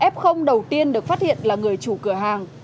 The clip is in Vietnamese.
f đầu tiên được phát hiện là người chủ cửa hàng